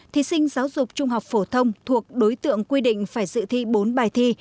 thí sinh giáo dục trung học phổ thông thuộc đối tượng quy định phải dự thi bốn bài thi